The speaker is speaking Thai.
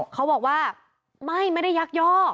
เขาบอกว่าไม่ไม่ได้ยักยอก